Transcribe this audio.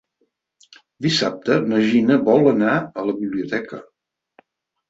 Dissabte na Gina vol anar a la biblioteca.